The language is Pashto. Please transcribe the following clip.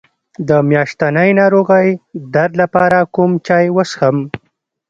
د میاشتنۍ ناروغۍ درد لپاره کوم چای وڅښم؟